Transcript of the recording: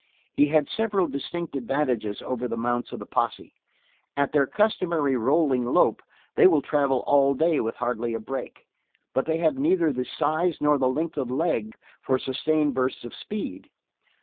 He had several distinct advantages over the mounts of the posse. At their customary rolling lope they will travel all day with hardly a break, but they have neither the size nor the length of leg for sustained bursts of speed.